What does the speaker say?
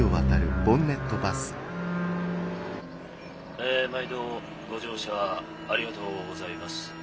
えまいどご乗車ありがとうございます。